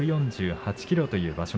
１４８ｋｇという場所